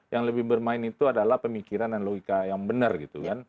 yang lebih bermain itu adalah pemikiran dan logika yang benar gitu kan